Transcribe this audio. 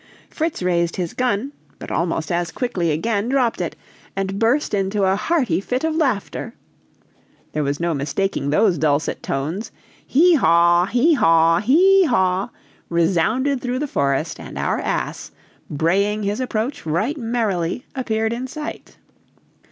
Fritz raised his gun, but almost as quickly again dropped it, and burst into a hearty fit of laughter. There was no mistaking those dulcet tones he haw, he haw, he haw resounded through the forest, and our ass, braying his approach right merrily, appeared in sight.